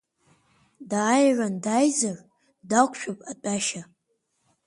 Дааиран дааизар дақәшәап атәашьа.